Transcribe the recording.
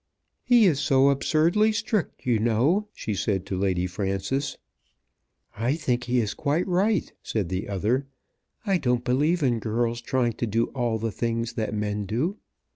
"He is so absurdly strict, you know," she said to Lady Frances. "I think he is quite right," said the other. "I don't believe in girls trying to do all the things that men do."